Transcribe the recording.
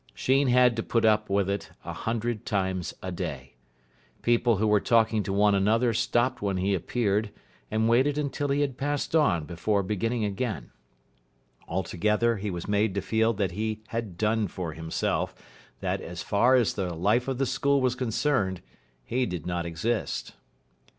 Sheen had to put up with it a hundred times a day. People who were talking to one another stopped when he appeared and waited until he had passed on before beginning again. Altogether, he was made to feel that he had done for himself, that, as far as the life of the school was concerned, he did not exist.